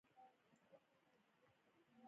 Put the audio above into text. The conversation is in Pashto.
احمدشاه بابا د ولس د خیر او فلاح لپاره کار وکړ.